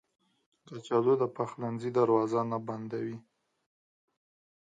کچالو د پخلنځي دروازه نه بندوي